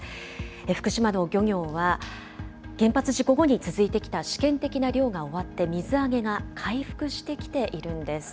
福島の漁業は、原発事故後に続いてきた試験的な漁が終わって、水揚げが回復してきているんです。